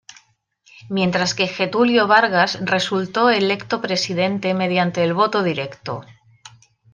Mientras que Getúlio Vargas resultó electo presidente mediante el voto directo.